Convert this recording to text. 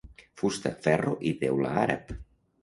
Fusta, ferro i teula àrab.